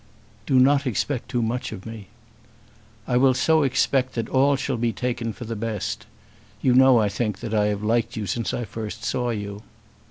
"Do not expect too much of me." "I will so expect that all shall be taken for the best. You know, I think, that I have liked you since I first saw you."